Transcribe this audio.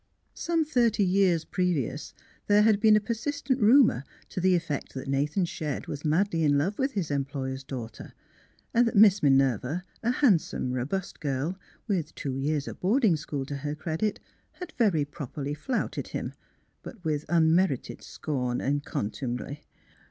Some thirty years previous there had been a persistent rumour to the etfect that Nathan Shedd was madly in love with his employer's daughter, and that Miss Minerva, a handsome, robust girl, with two years of boarding school to her credit, had very properly flouted him, but with unmerited scorn and contumely.